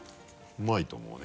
うまいと思うね。